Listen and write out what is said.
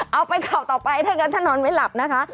เอาไปข่าวต่อไปถ้างั้นถ้านอนไม่หลับนะคะ